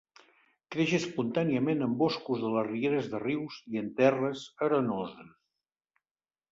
Creix espontàniament en boscos de les rieres de rius i en terres arenoses.